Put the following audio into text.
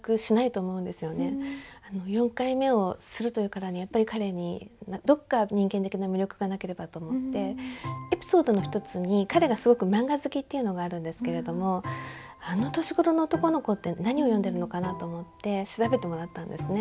４回目をするというからにはやっぱり彼にどっか人間的な魅力がなければと思ってエピソードの一つに彼がすごく漫画好きというのがあるんですけれどもあの年頃の男の子って何を読んでるのかなと思って調べてもらったんですね。